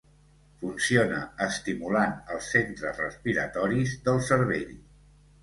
Funciona estimulant els centres respiratoris del cervell.